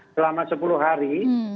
selama sepuluh hari